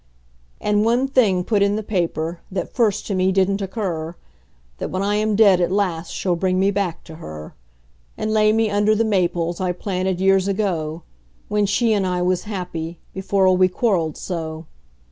And one thing put in the paper, that first to me didn't occur: That when I am dead at last she'll bring me back to her; And lay me under the maples I planted years ago, When she and I was happy before we quarreled so.